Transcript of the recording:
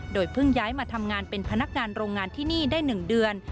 เพิ่งย้ายมาทำงานเป็นพนักงานโรงงานที่นี่ได้๑เดือน